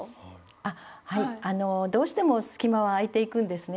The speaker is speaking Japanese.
あはいどうしても隙間は空いていくんですね